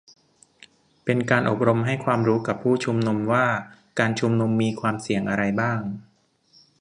เป็นการอบรมให้ความรู้กับผู้ชุมนุมว่าการชุมนุมมีความเสี่ยงอะไรบ้าง